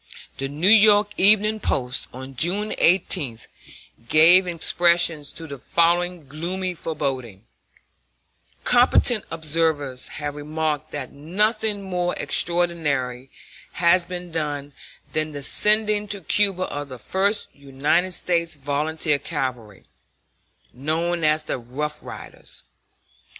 The New York Evening Post, on June 18, gave expression to the following gloomy foreboding: "Competent observers have remarked that nothing more extraordinary has been done than the sending to Cuba of the First United States Volunteer Cavalry, known as the 'rough riders.'